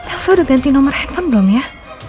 aku udah ganti nomor handphone belum ya